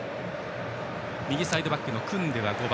右サイドバックのクンデは５番。